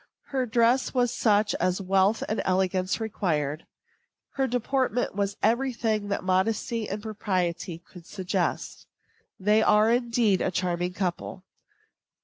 Her dress was such as wealth and elegance required. Her deportment was every thing that modesty and propriety could suggest. They are, indeed, a charming couple.